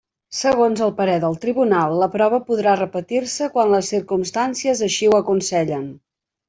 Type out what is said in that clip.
Segons el parer del tribunal, la prova podrà repetir-se quan les circumstàncies així ho aconsellen.